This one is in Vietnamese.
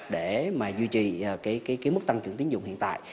để mà duy trì cái mức tăng trưởng tiến dụng hiện tại